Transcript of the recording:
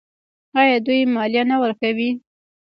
آیا دوی مالیه نه ورکوي؟